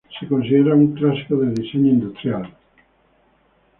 Se considera un clásico de diseño industrial.